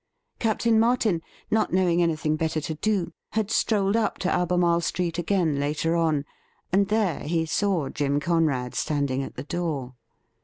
Captain Martin, not knowing anything better to do, had strolled up to Albemarle Street again later on, and there he saw Jim Conrad standing at the door.